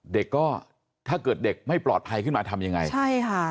เด็กก็ถ้าเกิดเด็กไม่ปลอดภัยขึ้นมาทำยังไงใช่ค่ะ